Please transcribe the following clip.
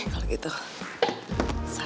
sekarang telepon miss drama